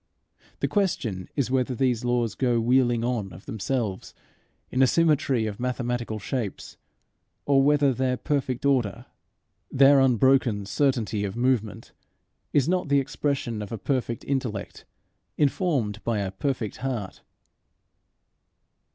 The question is whether these laws go wheeling on of themselves in a symmetry of mathematical shapes, or whether their perfect order, their unbroken certainty of movement, is not the expression of a perfect intellect informed by a perfect heart.